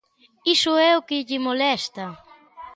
¡Iso é o que lle molesta!